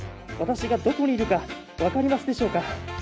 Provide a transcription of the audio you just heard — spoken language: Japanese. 私がどこにいるか分かりますでしょうか。